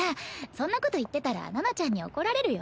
そんなこと言ってたら七菜ちゃんに怒られるよ。